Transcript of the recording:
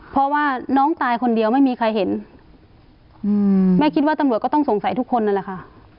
เพราะว่าน้องตายคนเดียวไม่มีใครเห็นแม่คิดว่าตำรวจก็ต้องสงสัยทุกคนนั่นแหละค่ะ